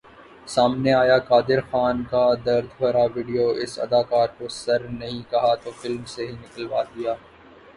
سامنے آیا قادر خان کا درد بھرا ویڈیو ، اس اداکار کو سر نہیں کہا تو فلم سے ہی نکلوادیا